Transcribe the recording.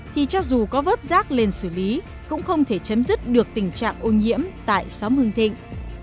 thì cho dù có vớt rác lên xử lý cũng không thể chấm dứt được tình trạng ô nhiễm tại xóm hưng thịnh